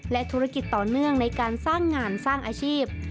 และธุรกิจต่อเนื่องในการสร้างงานสร้างอาชีพ